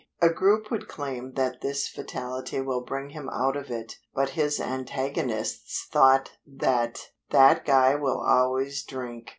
A group would claim that "this fatality will bring him out of it;" but his antagonists thought that "That guy will always drink."